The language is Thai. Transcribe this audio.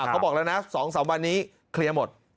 เค้าบอกละนะ๒๓วันนี้คลียร์หมด